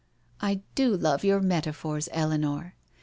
..."" I do love your metaphors, Eleanor.